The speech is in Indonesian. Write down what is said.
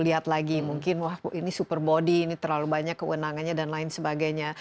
lihat lagi mungkin wah ini super body ini terlalu banyak kewenangannya dan lain sebagainya